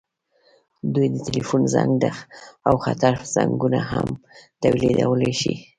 دوی د ټیلیفون زنګ او خطر زنګونه هم تولیدولی شي.